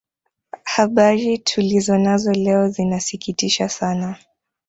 habari tulizo nazo leo zinasikitisha sana